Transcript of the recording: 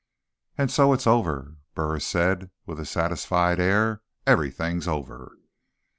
"And so it's over," Burris said with a satisfied air. "Everything's over."